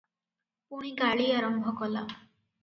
ପୁଣି ଗାଳି ଆରମ୍ଭ କଲା ।